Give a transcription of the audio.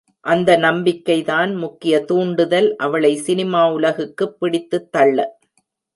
அந்த நம்பிக்கை தான் முக்கிய தூண்டுதல் அவளை சினிமா உலகுக்கு பிடித்துத் தள்ள.